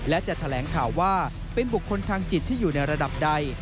และจะแถลงข่าวว่าเป็นบุคคลทางจิตที่อยู่ในระดับใด